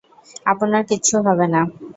আপনার কিচ্ছু হবে না।